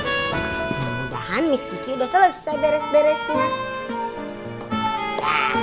semoga miss kiki udah selesai beres beresnya